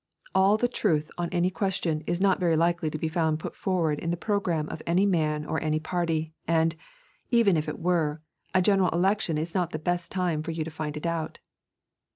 All the truth on any question is not very likely to be found put forward in the programme of any man or any party, and, even if it were, a general election is not the best time for you to find it out.